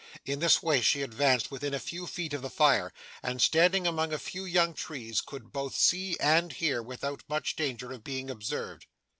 In this way she advanced within a few feet of the fire, and standing among a few young trees, could both see and hear, without much danger of being observed.